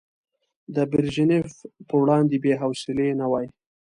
د بريژينف په وړاندې بې حوصلې نه وای.